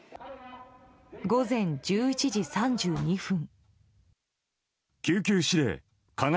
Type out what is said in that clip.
午前１１時３２分。